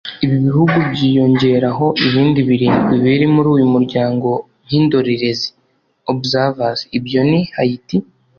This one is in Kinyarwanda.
Ibi bihugu byiyongeraho ibindi birindwi biri muri uyu muryango nk’indorerezi (Observers) ibyo ni; Haiti